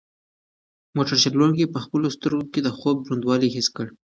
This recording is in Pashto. موټر چلونکي په خپلو سترګو کې د خوب دروندوالی حس کړ.